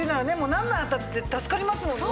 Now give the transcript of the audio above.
何枚あったって助かりますもんね。